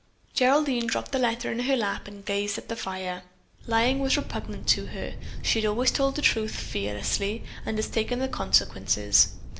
Geraldine dropped the letter in her lap and gazed at the fire. Lying was repugnant to her. She had always told the truth fearlessly and had taken the consequences.